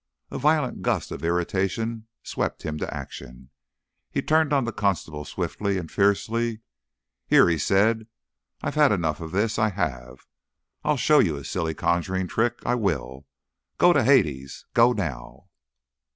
A violent gust of irritation swept him to action. He turned on the constable swiftly and fiercely. "Here," he said, "I've had enough of this, I have! I'll show you a silly conjuring trick, I will! Go to Hades! Go, now!"